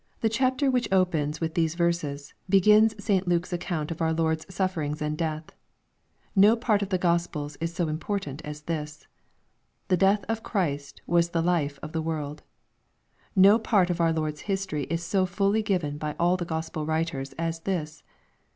The chapter which opens with these verses, begins St Luke's account of our Lord's sufferings and death. No part of the Gospels is so important as this. The death of Christ was the life of the world. — No part of out Lord's history is so fully given by all the gospel writers as this.